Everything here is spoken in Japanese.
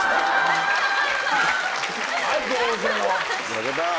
負けた。